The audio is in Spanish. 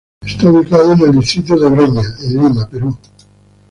Está ubicado en el distrito de Breña, en Lima, Perú.